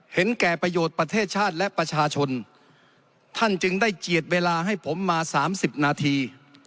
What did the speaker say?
เห็นแก่ประโยชน์ประเทศชาติและประชาชนท่านจึงได้เจียดเวลาให้ผมมา๓๐นาที